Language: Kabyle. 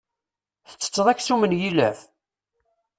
Ttetteḍ aksum n yilef?